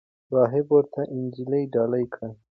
راهب ورته انجیل ډالۍ کړ.